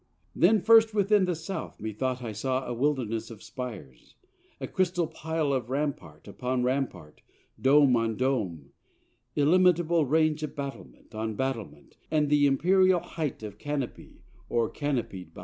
Then first within the South methought I saw A wilderness of spires, and chrystal pile Of rampart upon rampart, dome on dome, Illimitable range of battlement On battlement, and the Imperial height Of Canopy o'ercanopied.